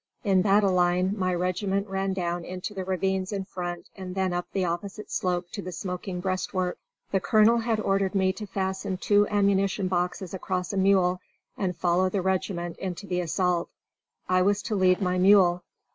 In battle line, my regiment ran down into the ravines in front and then up the opposite slope to the smoking breastwork. The colonel had ordered me to fasten two ammunition boxes across a mule and follow the regiment into the assault. I was to lead my mule.